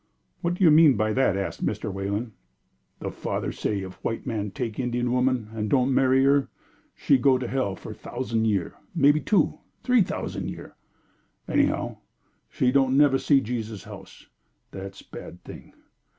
"What do you mean by that?" asked Mr. Wayland. "The Father say if white man take Indian woman and don' marry her, she go to hell for thousan' year mebbe two, three thousan' year. Anyhow, she don' never see Jesus' House. That's bad thing!"